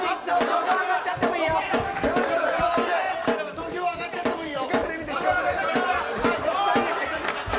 土俵上がっちゃってもいいよ。